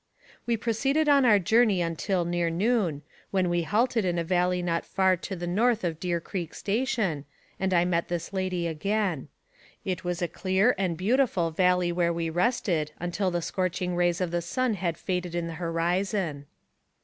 We proceeded on our journey until near noon, when we halted in a valley not far to the north of Deer Creek 54 NAERATIVE OF CAPTIVITY Station, and I met this lady again. It was a clear and beautiful valley where we rested, until the scorching rays of the sun had faded in the horizon.